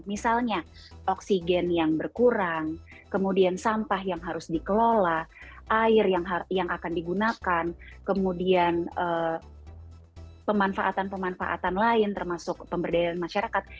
misalnya oksigen yang berkurang kemudian sampah yang harus dikelola air yang akan digunakan kemudian pemanfaatan pemanfaatan lain termasuk pemberdayaan masyarakat